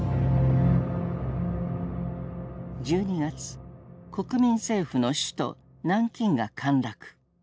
１２月国民政府の首都南京が陥落。